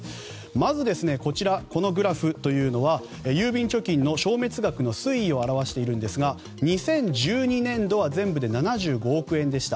まず、このグラフは郵便貯金の消滅額の推移を表しているんですが２０１２年度は全部で７５億円でした。